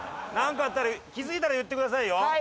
なんかあったら気づいたら言ってくださいよ。